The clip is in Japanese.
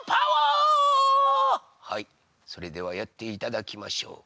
はいそれではやっていただきましょう。